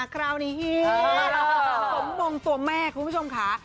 คราวนี้สมมงตัวแม่คุณผู้ชมค่ะ